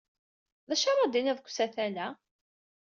D acu ara d-tiniḍ deg usatal-a?